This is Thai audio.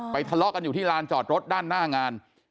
ทะเลาะกันอยู่ที่ลานจอดรถด้านหน้างาน